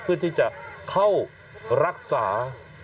เพื่อที่จะเข้ารักษา